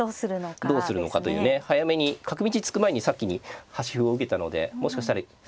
早めに角道突く前に先に端歩を受けたのでもしかしたら。